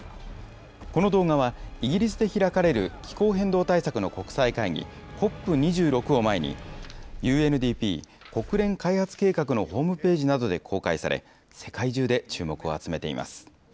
この動画は、イギリスで開かれる気候変動対策の国際会議、ＣＯＰ２６を前に、ＵＮＤＰ・国連開発計画のホームページなどで公開され、世界中で注目を集めています。